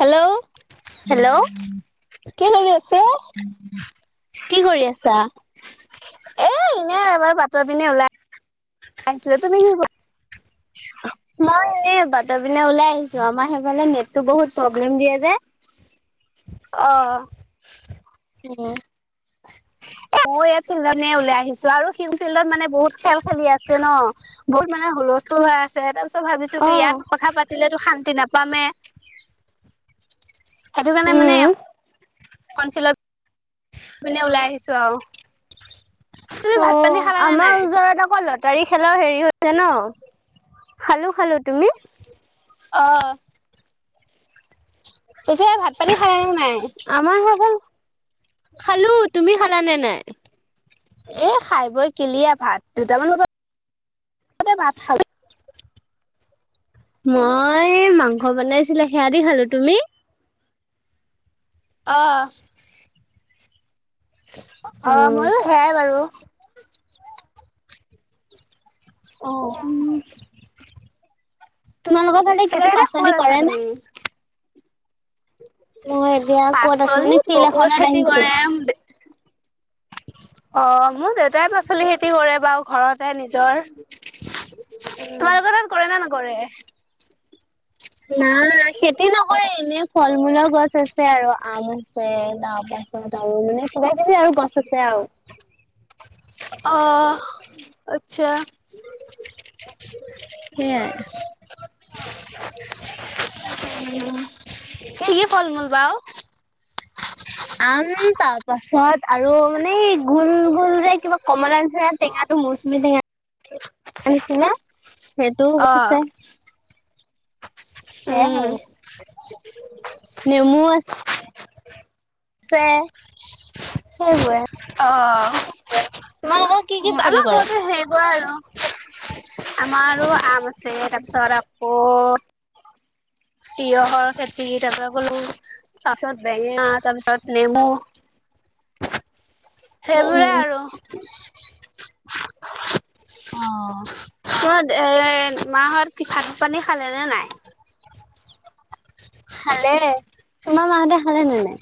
Hello hello? কি কৰি আছে অ'? কি কৰি আছা? এ এনে এবাৰ বাতৰ পিনে ওলাই আহিছোঁ। তুমি কি কৰিছা? [inaudible] মই এই বাতৰ পিনে ওলাই আহিছো, আমাৰ সেইফালে নেটটো বহুত প্ৰব্লেম দিয়ে যে। অ'। [inaudible] এ মই ইয়াত ফিল্ডৰ ফালে ওলাই আহিছোঁ আৰু [unintelligible] ফিল্ডত মানে বহুত খেল খেলি আছে ন। বহুত মানে হুলস্থুল হৈ আছে, তাৰপিছত ভাবিছো অ কি ইয়াত কথা পাতিলেতো শান্তি নাপামে সেইটো কাৰণে মানে, উম [unintelligible] পিনে ওলাই আহিছোঁ আৰু। তুমি অ', ভাত পানী খালানে আমাৰ নাই? ওচৰৰ এটা লত তাৰি খেলাও হেৰি হৈছে ন, খালো খালো, তুমি? অ'। পিছে ভাত পানী খাই নে নাই? [unintelligible] খালো, তুমি খালা নে নাই? এ খাই বই কিলিয়াৰ ভাত দুটামান বজাত, ভাত খালোঁ। মই মাংস বনাইছিলে, সেয়া দি খালো, তুমি? অ'। অ', ময়ো হেয়াই বাৰু। অ উম। তোমালোকৰ ফালে কিবা পাচলি আছা কৰে নে? তুমি? মই এতিয়া ক'ত আছো পাচলি মানে ফিল্ড বহুত এখনত খেতি আহিছো। কৰে। অ', মোৰ দেউতাই পাচলি খেতি কৰে বাৰু, ঘৰতে নিজৰ উম তোমালোকৰ তাত কৰে নে নকৰে? নাই, খেতি নকৰে এনে ফল- মূলৰ গছ আছে আৰু আম আছে, তাৰপাছত আৰু মানে কিবা কিবি আৰু গছ আছে আৰু। অ', আচ্ছা। [inaudible] সেয়াই। এই কি ফল মূল বাৰু। আম তাৰপাছত আৰু মানে গোল, গোল যে কিবা কমলা নিচিনা টেঙা এইটো মৌচুমী টেঙা, আনিছিলে, সেইটোও অ। গছ আছে। সেয়াই উম হয় আৰু, নেমু আছে ছে, সেইবোৰে। অ'। তোমালোকৰ কি কি ভাজি কৰে? সেইবোৰে আৰু, আমাৰ আৰু আম আছে, তাৰপিছত আকৌ তিয়হৰ খেতি, তাৰ পৰা কলো তাৰপিছত বেঙেনা তাৰপিছত নেমু। সেইবোৰে উম আৰু। অ'। তোমাৰ এ, মাহঁত ভাত পানী খালে নে নাই? খালে, তোমাৰ মাহঁতে খালে নে নাই?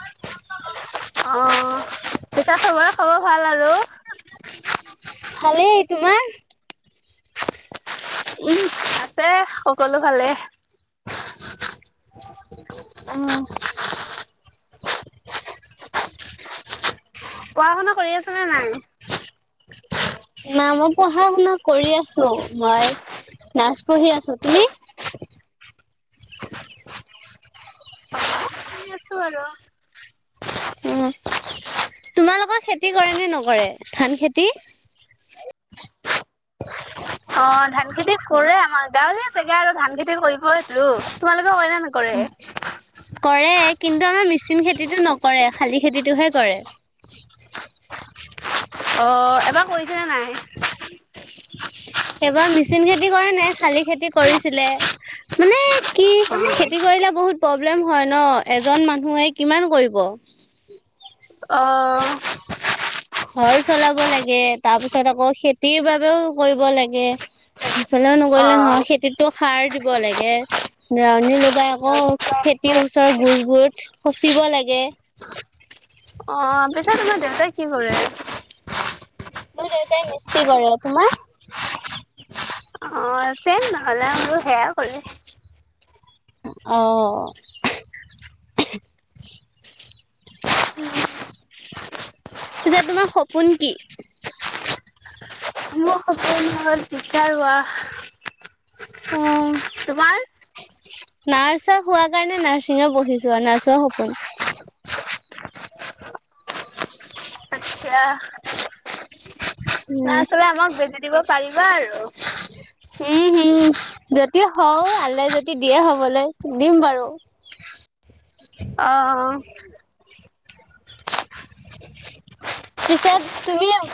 অ', এতিয়া চবৰে খাব ভাল আৰু। ভালেই তোমাৰ? উম, আছে সকলো ভালে। অ'। পঢ়া-শুনা কৰি আছা নে নাই? না মই পঢ়া-শুনা কৰি আছোঁ মই ৰ্নাচ পঢ়ি আছোঁ। তুমি? [inaudible] আছোঁ আৰু। অ', তোমালোকৰ খেতি কৰে নে নকৰে ধান খেতি? [inaudible] অঁ! ধান খেতি কৰে আমাৰ তাত। গাঁৱলীয়া জেগা আৰু ধান খেতি কৰিব‌ইটো। তোমালোকে কৰে নে ন অঁ! কৰে কিন্তু আমাৰ মিচিন খেতিটো নকৰে শালি খেতিটোহে কৰে। অ! এইবাৰ কৰিছেনে নাই? এইবাৰ মিচিন খেতি কৰা নাই শালি খেতি কৰিছিলে। মানে কি খেতি কৰিলে বহুত প্ৰব্লেম হয় ন এজন মানুহে কিমান কৰিব। অ! ঘৰ চলাব লাগে তাৰ পিছত আকৌ খেতিৰ বাবেও কৰিব লাগে। সেইফালেও নকৰিলে অ'। নহয় খেতিতো সাৰ দিব লাগে। দাউনী লগাই আকৌ খেতিৰ ওচৰৰ গোছবোৰত সচিব লাগে। অঁ! পিছে তোমাৰ দেউতাই কি কৰে? মোৰ দেউতাই মিস্ত্ৰী কৰে। তোমাৰ? অঁ! চেইম নহ'লে আৰু সেয়াও কৰে। অ! পিছে তোমাৰ সপোন কি? মোৰ সপোন হ'ল ট্ৰিচাৰ হোৱা। অঁ! তোমাৰ? নাৰ্ছৰ হোৱা কাৰণে নাৰ্ছিঙো পঢ়িছো আৰু নাৰ্ছৰ সপোন। আচ্ছা। [unintelligible] নাৰ্ছ হ'লে আমাক বেজি দিব পাৰিবা আৰু। উম! হুম। যদি হওঁ আল্লাই যদি দিয়ে হবলৈ দিম বাৰু। অ! অঁ। পিছে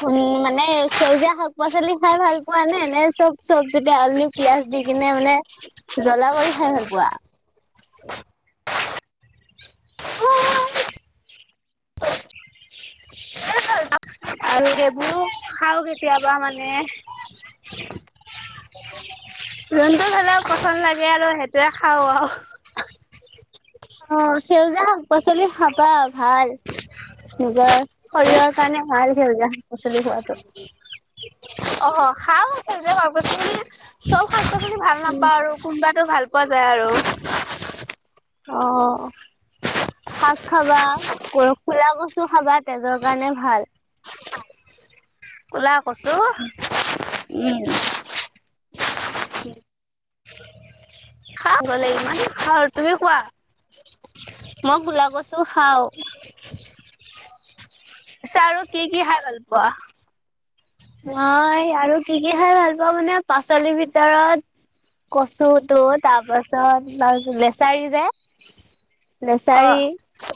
তুমি মানে সেউজীয়া শাক-পাচলি খাই ভাল পোৱা নে? নে চব চব্জিতে আলু পিঁয়াজ দি কিনে মানে জ্বলা কৰি খাই ভাল পোৱা? [unintelligible] আৰু সেইবোৰো খাওঁ কেতিয়াবা মানে। [unintelligible] যোনটো হ'লেও পচন্দ লাগে আৰু সেইটোৱেই খাওঁ আৰু। অঁ! সেউজীয়া শাক-পাচলি খাবা ভাল। নিজৰ শৰীৰৰ কাৰণে ভাল সেউজীয়া শাক-পাচলি খোৱাটো। অহ খাওঁ সেইজীয়া শাক-পাচলি চব শাক-পাচলি ভাল নাপাওঁ আৰু। কোনবাতো ভাল পোৱা যায় আৰু। অঁ। শাক খাবা, ক কুলা কচু খাবা তেজৰ কাৰণে ভাল। কুলা কচু। উম! খাব লাগিব মানে খাওঁ আৰু। তুমি খোৱা? মই কুলা কচু খাওঁ। পিছে আৰু কি কি খাই ভাল পোৱা? মই আৰু কি কি খাই ভাল পাওঁ মানে পাচলিৰ ভিতৰত কচুটো তাৰ পাছত প্লাছ লেচাৰি যে। লেচাৰি, অ'।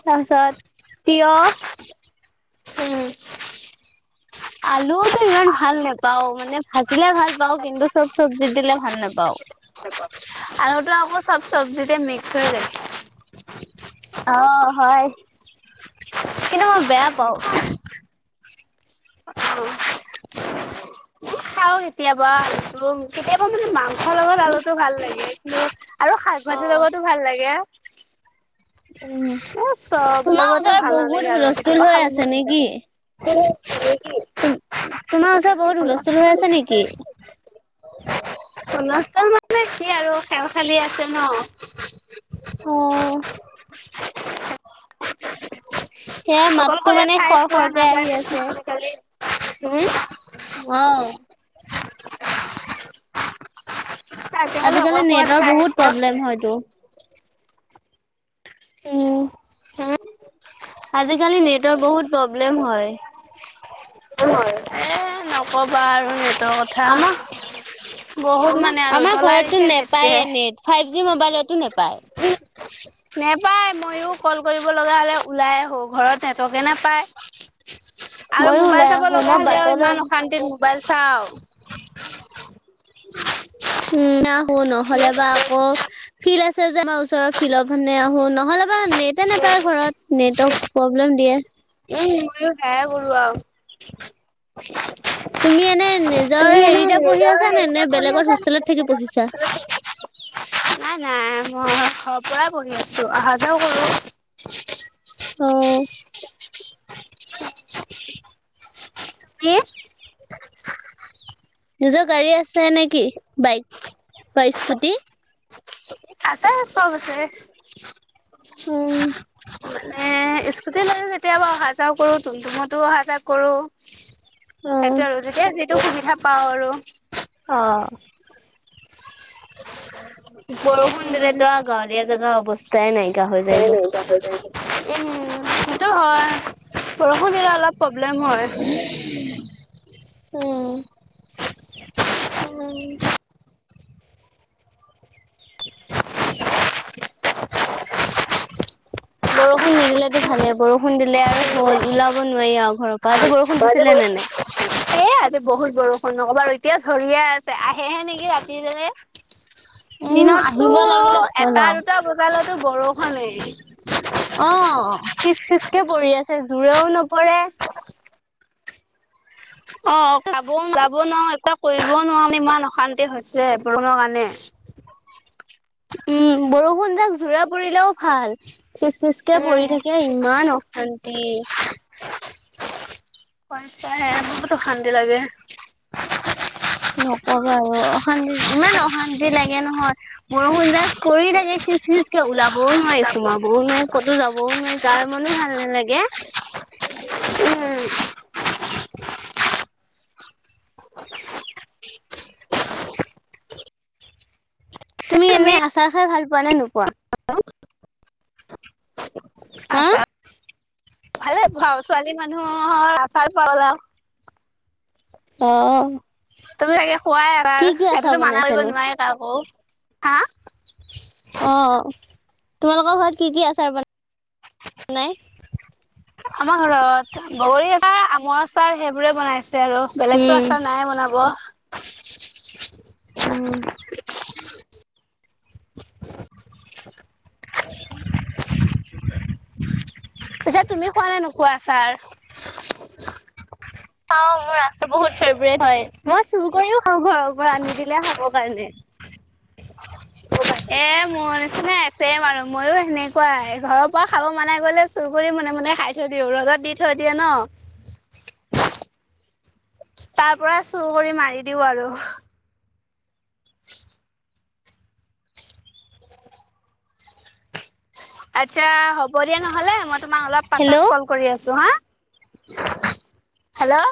তাৰপিছত তিয়ঁহ। উম, [inaudible] আলুতো ইমান ভাল নেপাওঁ‌, মানে ভাজিলে ভাল পাওঁ কিন্তু চব চবজিত দিলে ভাল নেপাওঁ। আলুটো আকৌ চব চব্জিতে মিক্স হৈ যায়। অ', হয় কিন্তু মই বেয়া পাওঁ। খাওঁ কেতিয়াবা আলুটো, কেতিয়াবা মানে মাংসৰ লগত আলুটো ভাল লাগে, কিন আৰু শাক অ ভাজিৰ লগতো ভাল লাগে। উম এ চব তোমাৰ লগতে ওচৰত ভাল বহুত নালাগে আৰু হুলস্থুল কেতিয়াবা হৈ খাব মন নাযায়। তোম, তোমাৰ ওচৰত বহুত হুলস্থুল হৈ আছে নেকি? হুলস্থূল মানে কি আৰু খেল খেলি আছে ন। অ'। সেয়া মাতটো অকলশৰীয়া মানে খৰ-খৰকে আহি আছে। উম? অ'। আজিকালি অকলশৰীয়া নেটৰ ঠাই বহুত পোৱা প্ৰব্লেম নাযায়। হয়টো। উম। উম। আজিকালি নেটৰ বহুত প্ৰব্লেম হয়। [unintelligible] এ নকবা আৰু নেটৰ কথা। আমাৰ বহুত মানে আৰু আমাৰ জ্বলাই ঘৰতটো দিছে নেপায়ে নেটটোৱে। নেট, ফাইভ জি মোবাইলতো নপায়। নোপায় মইও কল কৰিব লগা হলে ওলাই আহো ঘৰত নেটৰ্কে নেপায়। ময়ো ওলাই আহোঁ মই বাটলৈ আহো। শান্তিত মোবাইল চাও। [unintelligible] উম, আহো নহ'লে বা আকৌ ফিল আছে যে আমাৰ ওচৰৰ ফিলৰ ফালে আহোঁ, নহ'লে বা নেটে নাপায় ঘৰত নেটৰ্ক প্ৰব্লেম দিয়ে। উম, ময়ো সেয়াই কৰো আৰু। তুমি এনে নিজৰ তুমি এনে হেৰিতে পঢ়ি নিজৰে আছা নে নে এনেকা কৰি বেলেগত হোষ্টেলত আছানে নে থাকি পঢ়িছা? বেলেগৰ নাই নাই মই ঘৰৰ পৰাই পঢ়ি আছো, অহা-যোৱাও কৰো। অ'। [unintelligible] কি? নিজৰ গাড়ী আছে নে কি? বাইক বা স্কুটি? আছে চব আছে। উম মানে ইস্ক স্কুতি লৈও কেতিয়াবা অহা যোৱা কৰো, তুম-তুমতো অহা-যোৱা কৰো উম সেইটো আৰু। যেতিয়া যিটো সুবিধা পাওঁ আৰু। অ'। বৰষুণ দিলেতো আও গাঁৱলীয়া জেগা অৱস্থাই নাইকিয়া হৈ যায়গে। বেয়া হৈ জায়গে। [unintelligible] সেইটো হয়, বৰষুণ দিলে অলপ প্ৰব্লেম হয়। উম [unintelligible] [unintelligible] বৰষুণ নিদিলেতো ভালে বৰষুণ দিলে আৰু হ'ল ওলাব নোৱাৰি আৰু ঘৰৰ পৰা আজি বৰষুণ দিছিলে নে নাই? [unintelligible] এ আজি বহুত বৰষুণ নকবা আৰু এতিয়া ধৰিহে আছে আহেহে নেকি ৰাতিলৈকে। [unintelligible] দিনতটো আহিব লাগিলে হ'ল এটা আও। দুটা বজালৈতো বৰষুণেই। অ খিচ খিচকে পৰি আছে জোৰেও নপৰে। অ যাব যাব নোৱাৰো এক কৰিবও নোৱাৰো ইমান অশান্তি হৈছে বৰষুণৰ কাৰণে। উম বৰষুণ যাক জোৰে পৰিলেও ভাল, খিচ খিচ কে পৰি উম থাকে ইমান অশান্তি। পইচাহে বহুত অশান্তি লাগে। নকব আৰু অশান্তি ইমান অশান্তি লাগে নহয়। বৰষুন যাক পৰি থাকে খিচ খিচ ওলাবও নোৱাৰি সোমাবও নোৱাৰি ক'তো যাবও নোৱাৰি গা মনো ভাল নালাগে। উম তুমি এনে আচাৰ খাই ভাল পোৱা নে নোপোৱা? [unintelligible] হা আচাৰ ভালে পাও ছোৱালী মানুহৰ আচাৰ [unintelligible] অ তুমি চাগে খুৱাই আচাৰ কি কি আচাৰ সিতটো মানা কৰিব বনাইছেনো নোৱাৰি কাকো, হা? অ তোমালোকৰ ঘৰত কি কি আচাৰ বনাই? আমাৰ ঘৰত বগৰী আচাৰ আমৰ আচাৰ সেইবোৰে বনাইছে আৰু। বেলেগতো উম আচাৰ নাই বনাব। উম। [unintelligible] পিছে তুমি খোৱা নে নোখোৱা আছাৰ? খাওঁ মোৰ আচাৰ বহুত ফেভৰেট হয়, মই চুৰ কৰিও খাওঁ ঘৰৰ আনি দিলে খাব কাৰণে। এ মোৰ নিচিনাই ছেম আৰু ময়ো সেনেকুৱাই ঘৰৰ পৰা খাব মানা কৰিলে চুৰ কৰি মনে মনে খাই থৈ দিওঁ ৰদত দি থৈ দিয়ে ন। তাৰপৰা চুৰ কৰি মাৰি দিওঁ আৰু। আচ্ছা হ'ব দিয়া নহলে মই তোমাক অলপাছত হেল্ল' কল কৰি আছো হা, হেল্ল'।